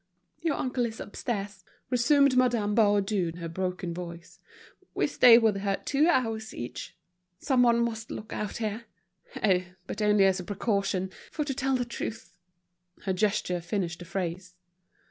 "Your uncle is upstairs," resumed Madame Baudu in her broken voice. "We stay with her two hours each. Someone must look out here; oh! but only as a precaution, for to tell the truth—" Her gesture finished the phrase.